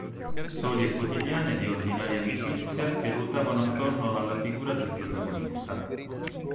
Storie quotidiane di ordinaria amicizia che ruotavano attorno alla figura del protagonista.